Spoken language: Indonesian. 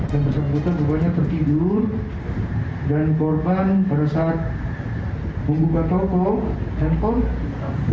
dan tersebut rupanya tertidur dan korban pada saat membuka toko handphone